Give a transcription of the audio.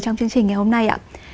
trong chương trình ngày hôm nay